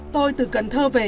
tôi từ cần thơ về